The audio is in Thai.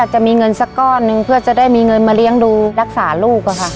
จะมีเงินสักก้อนหนึ่งเพื่อจะได้มีเงินมาเลี้ยงดูรักษาลูกค่ะ